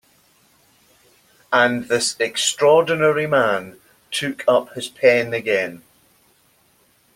And this extraordinary man took up his pen again.